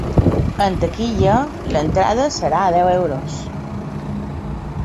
En taquilla, l’entrada serà a deu euros.